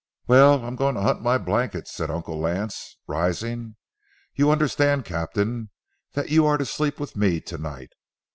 "Well, I'm going to hunt my blankets," said Uncle Lance, rising. "You understand, Captain, that you are to sleep with me to night.